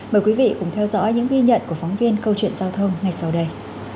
mời quý vị cùng theo dõi những ghi nhận của phóng viên câu chuyện giao thông ngay sau đây